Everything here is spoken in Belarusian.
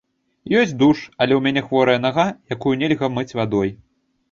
Ёсць душ, але ў мяне хворая нага, якую нельга мыць вадой.